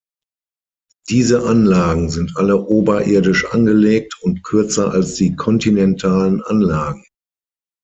Diese Anlagen sind alle oberirdisch angelegt und kürzer als die kontinentalen Anlagen.